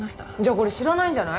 これ知らないんじゃない？